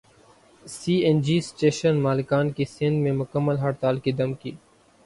سی N G station مالکان کی سندھ میں مکمل ہڑتال کی دھمکی